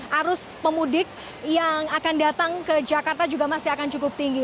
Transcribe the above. arus pemudik yang akan datang ke jakarta juga masih akan cukup tinggi